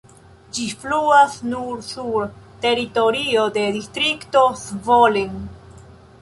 Ĝi fluas nur sur teritorio de Distrikto Zvolen.